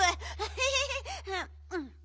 ヘヘヘヘ。